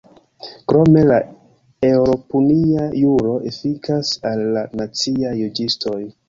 Krome, la eŭropunia juro efikas al la naciaj juĝistoj.